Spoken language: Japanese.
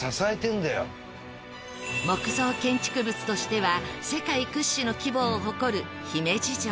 木造建築物としては世界屈指の規模を誇る姫路城